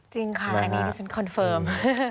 จริงค่ะอันนี้ดิฉันคอนเฟิร์ม